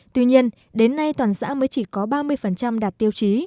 tuy nhiên đến nay toàn xã mới chỉ có ba mươi đạt tiêu chí